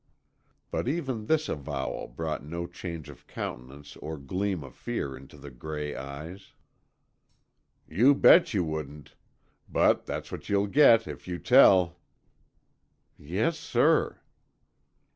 But even this avowal brought no change of countenance or gleam of fear to the gray eyes. "You bet you wouldn't. But that's what you'll get if you tell." "Yes, sir."